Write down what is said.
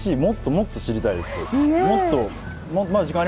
もっと知りたい。